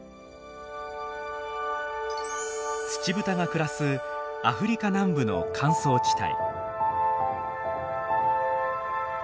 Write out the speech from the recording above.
ツチブタが暮らすアフリカ南部の乾燥地帯。